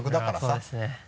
そうですね。